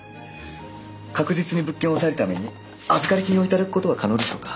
確実に物件を押さえるために預かり金をいただくことは可能でしょうか？